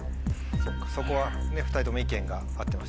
そこは２人とも意見が合ってましたね。